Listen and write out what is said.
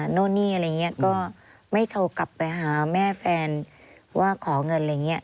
นู่นนี่อะไรอย่างนี้ก็ไม่โทรกลับไปหาแม่แฟนว่าขอเงินอะไรอย่างนี้